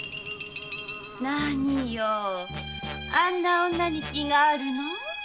何よあんな女に気があるの？